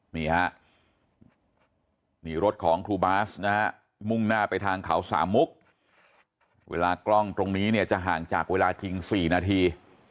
นี่ฮะนี่รถของครูบาสนะฮะมุ่งหน้าไปทางเขาสามมุกเวลากล้องตรงนี้เนี่ยจะห่างจากเวลาจริง๔นาที